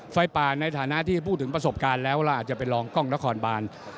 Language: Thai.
ไฟป่าในฐานะที่พูดถึงประสบการณ์แล้วล่ะอาจจะเป็นรองกล้องนครบาน